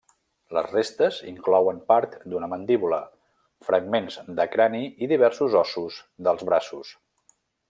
Les restes inclouen part d'una mandíbula, fragments de crani i diversos ossos dels braços.